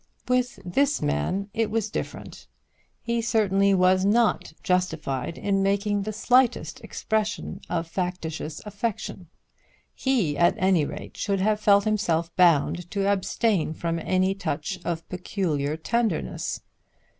With this man it was different. He certainly was not justified in making the slightest expression of factitious affection. He at any rate should have felt himself bound to abstain from any touch of peculiar tenderness.